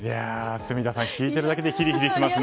住田さん、聞いてるだけでヒリヒリしますね。